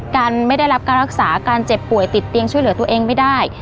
ถ้ารักษาการเจ็บป่วยติดเตียงช่วยเหลือตัวเองไม่ได้